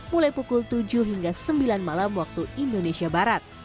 mulai pukul tujuh hingga sembilan malam waktu indonesia barat